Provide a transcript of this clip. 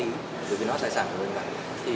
vì nó là tài sản của người bản